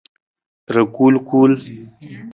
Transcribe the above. Rakulkul.